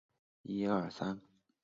勒夫雷斯恩波雷。